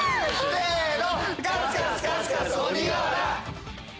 せの！